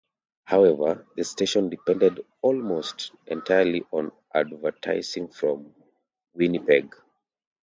However, the station depended almost entirely on advertising from Winnipeg.